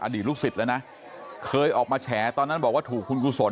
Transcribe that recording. ลูกศิษย์แล้วนะเคยออกมาแฉตอนนั้นบอกว่าถูกคุณกุศล